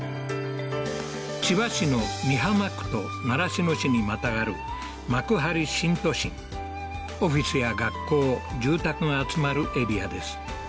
千葉市の美浜区と習志野市にまたがるオフィスや学校住宅が集まるエリアです